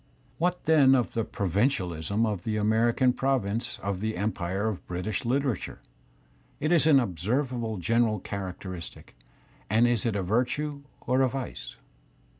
What, then, of the provincia lism" of the Asienean prov A inoe of the empire of British Uterature? Is it an observable general characteristic, and is it a virtue or a vice?